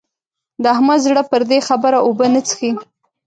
د احمد زړه پر دې خبره اوبه نه څښي.